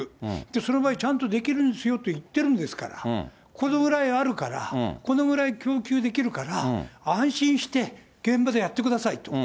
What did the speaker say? その場合ちゃんとできるんですよって言ってるんだから、このぐらいあるから、このぐらい供給できるから、安心して、現場でやってくださいと。